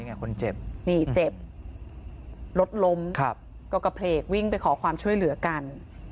คนเจ็บนี่เจ็บรถล้มครับก็กระเพลกวิ่งไปขอความช่วยเหลือกัน